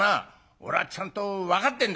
俺はちゃんと分かってんだ」。